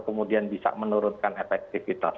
kemudian bisa menurunkan efektivitas